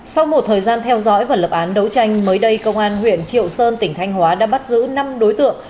sau một thời gian theo dõi và lập án đấu tranh mới đây công an huyện triệu sơn tỉnh thanh hóa đã bắt giữ năm đối tượng